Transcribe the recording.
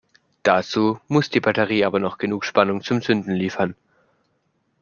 Dazu muss die Batterie aber noch genug Spannung zum Zünden liefern.